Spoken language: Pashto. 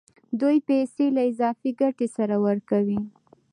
دوی پیسې له اضافي ګټې سره ورکوي